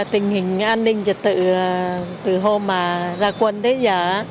tình hình an ninh trật tự từ hôm mà ra quần tới giờ